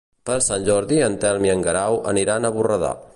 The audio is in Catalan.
Per Sant Jordi en Telm i en Guerau aniran a Borredà.